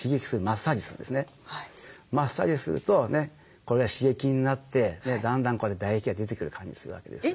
マッサージするとこれが刺激になってだんだんこうやって唾液が出てくる感じするわけです。